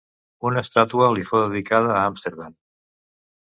Una estàtua li fou dedicada a Amsterdam.